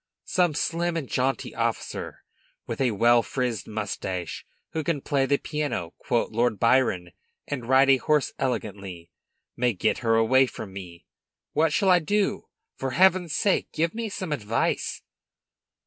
Some slim and jaunty officer, with a well frizzed moustache, who can play the piano, quote Lord Byron, and ride a horse elegantly, may get her away from me. What shall I do? For Heaven's sake, give me some advice!"